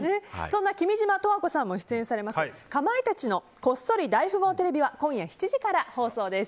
そんな君島十和子さんも出演されます「かまいたちのこっそり大富豪ＴＶ」は今夜７時から放送です。